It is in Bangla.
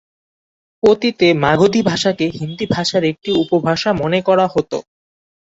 অতীতে মাগধী ভাষাকে হিন্দি ভাষার একটি উপভাষা মনে করা হত।